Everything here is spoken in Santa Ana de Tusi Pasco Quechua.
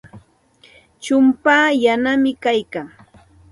Chumpaa yanami kaykan.